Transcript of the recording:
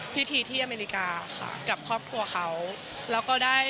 พิธีที่อเมริกาและเขาพ่อครัวมัน